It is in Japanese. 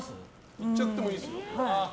いっちゃってもいいですよ。